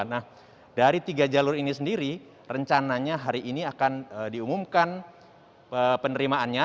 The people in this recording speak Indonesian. nah dari tiga jalur ini sendiri rencananya hari ini akan diumumkan penerimaannya